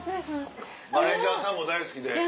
マネジャーさんも大好きで。